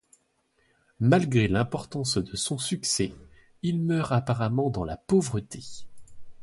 Malgré l'importance de son succès, il meurt apparemment dans la pauvreté.